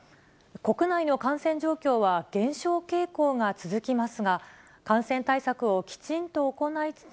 国内の感染状況は減少傾向が続きますが、感染対策をきちんと行いつつ、